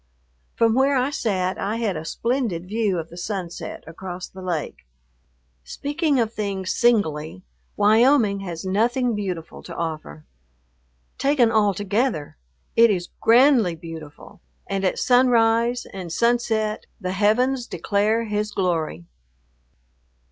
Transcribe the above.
From where I sat I had a splendid view of the sunset across the lake. Speaking of things singly, Wyoming has nothing beautiful to offer. Taken altogether, it is grandly beautiful, and at sunrise and sunset the "heavens declare His glory."